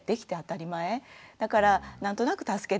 だから何となく助けてって